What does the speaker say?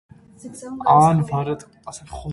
Ան վարած է համեստ կեանք մը։